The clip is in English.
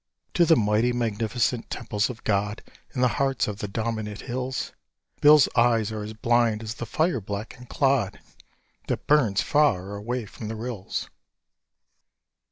To the mighty, magnificent temples of God, In the hearts of the dominant hills, Bill's eyes are as blind as the fire blackened clod That burns far away from the rills.